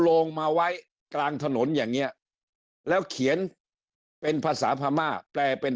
ลงมาไว้กลางถนนอย่างนี้แล้วเขียนเป็นภาษาพม่าแปลเป็น